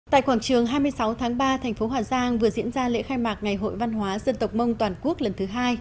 tại quảng trường hai mươi sáu tháng ba thành phố hòa giang vừa diễn ra lễ khai mạc ngày hội văn hóa dân tộc mông toàn quốc lần thứ hai